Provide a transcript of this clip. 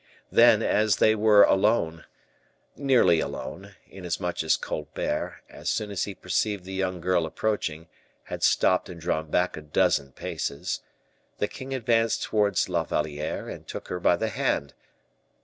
Then, as they were alone nearly alone, inasmuch as Colbert, as soon as he perceived the young girl approaching, had stopped and drawn back a dozen paces the king advanced towards La Valliere and took her by the hand.